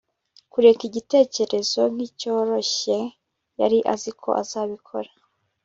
kureka igitekerezo nkicyoroshye. yari azi ko azabikora